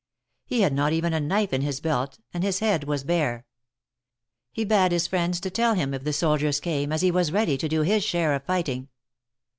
He had not even a knife in his belt, and his head was bare ; he bade his friends tell him if the soldiers came, as he was ready to do his share of fighting.